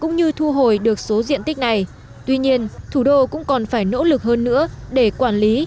giải quyết một số diện tích này tuy nhiên thủ đô cũng còn phải nỗ lực hơn nữa để quản lý